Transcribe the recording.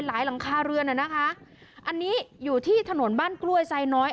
หลังคาเรือนน่ะนะคะอันนี้อยู่ที่ถนนบ้านกล้วยไซน้อย